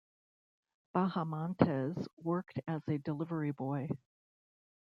Bahamontes worked as a delivery boy.